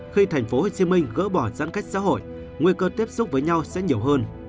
khi tp hcm gỡ bỏ giãn cách xã hội nguy cơ tiếp xúc với nhau sẽ nhiều hơn